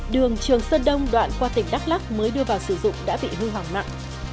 đường trường sơn đông đoạn qua tỉnh đắk lắk mới đưa vào sử dụng đã bị hư hoảng mặn